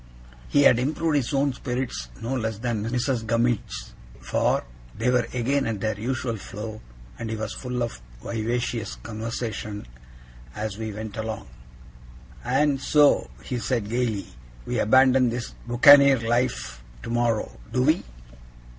He had improved his own spirits, no less than Mrs. Gummidge's, for they were again at their usual flow, and he was full of vivacious conversation as we went along. 'And so,' he said, gaily, 'we abandon this buccaneer life tomorrow, do we?